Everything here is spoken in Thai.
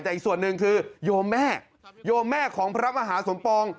แต่อีกส่วนหนึ่งคือโยมแม่โยมแม่ของพระมหาสมปอง